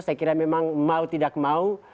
saya kira memang mau tidak mau